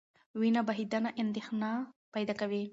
وینه بهېدنه اندېښنه پیدا کوي.